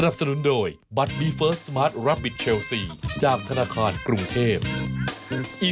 โปรดติดตามตอนต่อไป